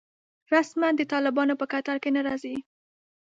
رسماً د طالبانو په کتار کې نه راځي.